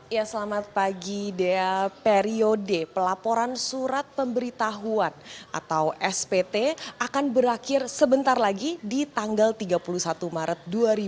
ya selamat pagi dea periode pelaporan surat pemberitahuan atau spt akan berakhir sebentar lagi di tanggal tiga puluh satu maret dua ribu dua puluh